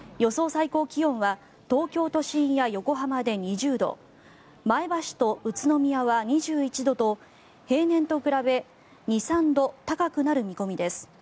最高気温は東京都心や横浜で２０度前橋と宇都宮は２１度と平年と比べ２３度高くなる見込みです。